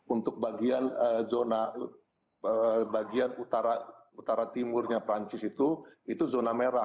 untuk bagian zona bagian utara timurnya perancis itu itu zona merah